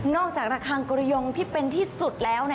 จากระคังกุระยงที่เป็นที่สุดแล้ว